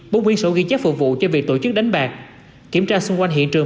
bốn miếng sổ ghi chép phụ vụ cho việc tổ chức đánh bạc kiểm tra xung quanh hiện trường